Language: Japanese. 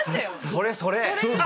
それそれ！